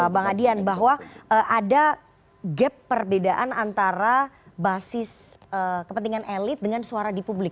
bang adian bahwa ada gap perbedaan antara basis kepentingan elit dengan suara di publik